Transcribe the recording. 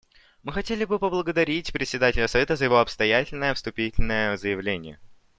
Мы хотели бы поблагодарить Председателя Совета за его обстоятельное вступительное заявление.